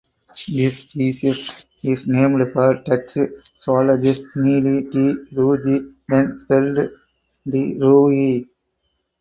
This species is named for Dutch zoologist Nelly de Rooij (then spelled "de Rooy").